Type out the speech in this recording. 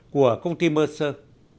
của công ty mercer